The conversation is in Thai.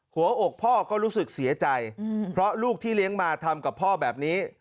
หัวอกพ่อก็รู้สึกเสียใจเพราะลูกที่เลี้ยงมาทำกับพ่อแบบนี้